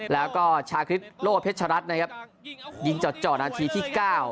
แล้วก็ชาคริปโลกเพชรรัตน์นะครับยิงจอดจอดนาทีที่๙